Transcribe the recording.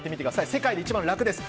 世界で一番楽です。